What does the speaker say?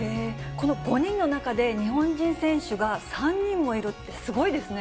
この５人の中で、日本人選手が３人もいるってすごいですね。